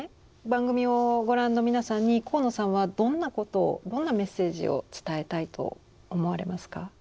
番組をご覧の皆さんに鴻野さんはどんなことをどんなメッセージを伝えたいと思われますか？